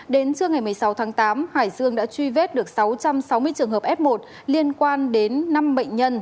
đến trưa ngày một mươi sáu tháng tám hải dương đã truy vết được sáu trăm sáu mươi trường hợp f một liên quan đến năm bệnh nhân